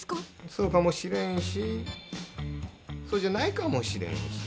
そうかもしれんしそうじゃないかもしれんし。